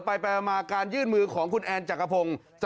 ไปมาการยื่นมือของคุณแอนจักรพงศ์